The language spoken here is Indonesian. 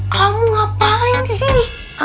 kamu ngapain disini